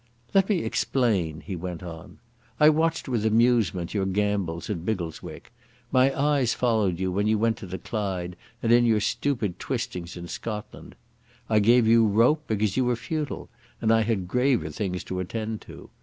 "Let me explain," he went on. "I watched with amusement your gambols at Biggleswick. My eyes followed you when you went to the Clyde and in your stupid twistings in Scotland. I gave you rope, because you were futile, and I had graver things to attend to.